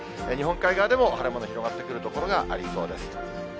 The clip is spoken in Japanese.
日本海側でも晴れ間の広がってくる所がありそうです。